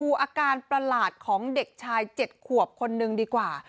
อาการประหลาดของเด็กชาย๗ขวบคนนึงดีกว่า